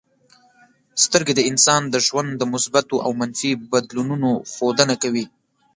سترګې د انسان د ژوند د مثبتو او منفي بدلونونو ښودنه کوي.